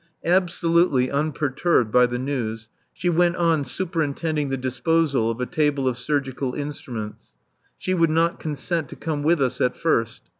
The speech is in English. Absolutely unperturbed by the news, she went on superintending the disposal of a table of surgical instruments. She would not consent to come with us at first.